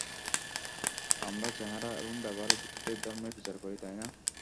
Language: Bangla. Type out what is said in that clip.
আমরা চেহারা এবং ব্যবহারের ভিত্তিতে, ধর্মের বিচার করি, তাই না?